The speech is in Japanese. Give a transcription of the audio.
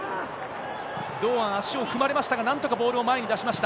堂安、足を踏まれましたが、なんとかボールを前に出しました。